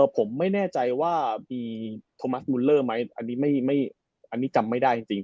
ผมไม่แน่ใจว่ามีโทมัสมูลเลอร์ไหมอันนี้จำไม่ได้จริง